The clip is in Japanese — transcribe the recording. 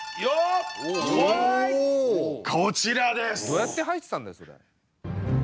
どうやって入ってたんだよそれ。